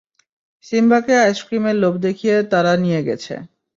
সিম্বাকে আইসক্রিমের লোভ দেখিয়ে তারা নিয়ে গেছে।